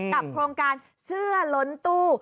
กับโครงการศื่อล้นตู้